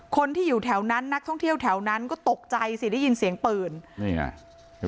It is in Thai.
คนที่อยู่แถวนั้นนักท่องเที่ยวแถวนั้นก็ตกใจสิได้ยินเสียงปืนนี่ไง